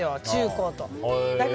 中高と。